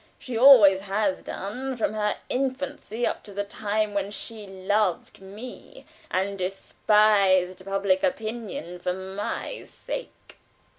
She always has done, from her infancy up to the time when she loved me and despised public opinion for my sake."